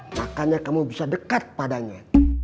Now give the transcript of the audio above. makanya kamu bisa dekat padanya